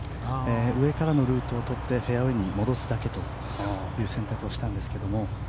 上からのルートを取ってフェアウェーに戻すだけという選択をしたんですが。